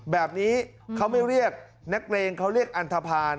แบบนี้เขาไม่เรียกนักเลงเขาเรียกอันทภาณ